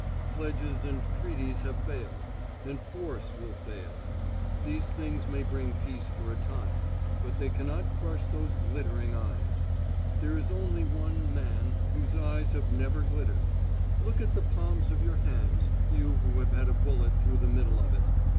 Pledges and treaties have failed; and force will fail. These things may bring peace for a time, but they cannot crush those glittering eyes. There is only one Man whose eyes have never glittered. Look at the palms of your hands, you, who have had a bullet through the middle of it!